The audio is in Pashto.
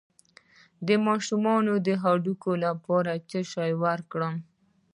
د ماشوم د هډوکو لپاره څه شی ورکړم؟